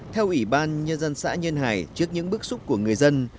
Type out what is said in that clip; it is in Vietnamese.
theo ủy ban nhân dân xã nhân hải trước những bước xúc của người dân